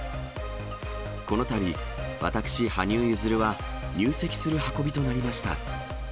このたび、私、羽生結弦は入籍する運びとなりました。